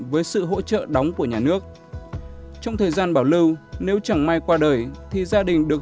với sự hỗ trợ đóng của nhà nước trong thời gian bảo lưu nếu chẳng may qua đời thì gia đình được